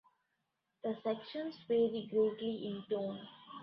The sections vary greatly in tone.